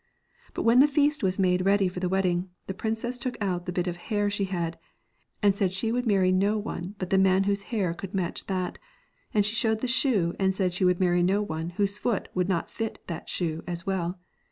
But when the feast was made ready for the wedding, the princess took out the bit of hair she had, and she said she would marry no one but the man whose hair would match that, and she showed the shoe and said that she would marry no one whose foot would not fit that shoe as well.